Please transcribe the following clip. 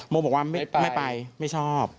บอกว่าไม่ไปไม่ชอบ